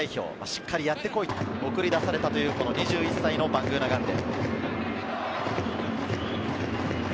しっかりやってこいと送り出されたという２１歳のバングーナガンデ。